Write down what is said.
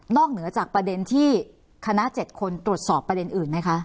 เหนือจากประเด็นที่คณะ๗คนตรวจสอบประเด็นอื่นไหมคะ